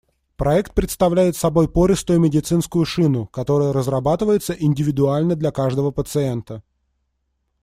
Проект представляет собой пористую медицинскую шину, которая разрабатывается индивидуально для каждого пациента.